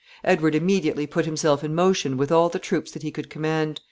Edward immediately put himself in motion with all the troops that he could command.